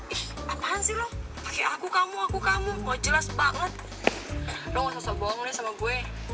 ih apaan sih lo pakai aku kamu aku kamu oh jelas banget lo gak sosok bohong nih sama gue